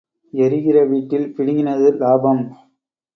எரிகிற வீட்டில் பிடுங்கினது இலாபம்.